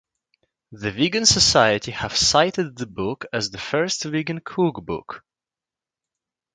The Vegan Society have cited the book as the first vegan cookbook.